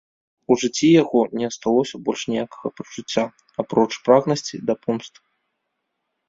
У жыцці яго не асталося больш ніякага пачуцця, апроч прагнасці да помсты.